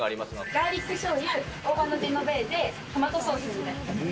ガーリックしょうゆ、大葉のジェノベーゼ、トマトソースになります。